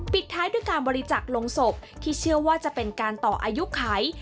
ท้ายด้วยการบริจักษ์ลงศพที่เชื่อว่าจะเป็นการต่ออายุไข